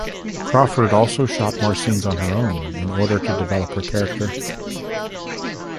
Crawford also shot more scenes on her own in order to develop her character.